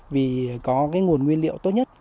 vì có cái nguồn nguyên liệu tốt nhất